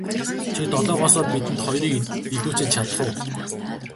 Чи долоогоосоо бидэнд хоёрыг илүүчилж чадах уу.